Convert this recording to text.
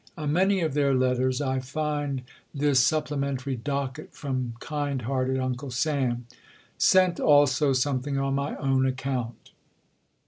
On many of their letters I find this supplementary docket from kind hearted Uncle Sam: "Sent also something on my own account."